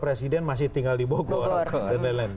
presiden masih tinggal di bogor